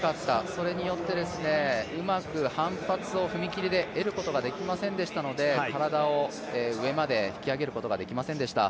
それによって、うまく反発を踏み切りで得ることができませんでしたので体を上まで引き上げることができませんでした。